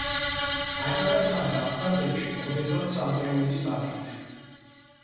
აჭარასა და აფხაზეთში გვხვდება ცალკეული სახით.